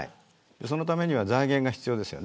そのためには財源が必要です。